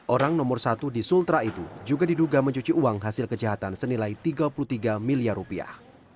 orang nomor satu di sultra itu juga diduga mencuci uang hasil kejahatan senilai tiga puluh tiga miliar rupiah